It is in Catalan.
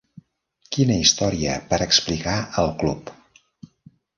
Quina història per explicar al club.